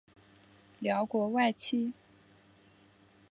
辽国外戚。